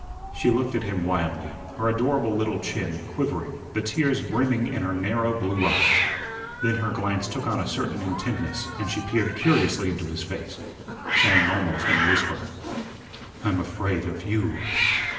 She looked at him wildly, her adorable little chin quivering, the tears brimming in her narrow blue eyes. Then her glance took on a certain intentness, and she peered curiously into his face, saying almost in a whisper: "I'm afraid of YOU."